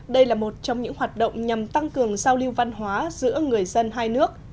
đây là một trong những hoạt động nhằm tăng cường giao lưu văn hóa giữa người dân hai nước